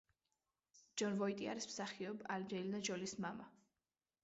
ჯონ ვოიტი არის მსახიობ ანჯელინა ჯოლის მამა.